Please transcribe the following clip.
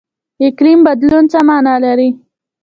اقلیم بدلون څه مانا لري؟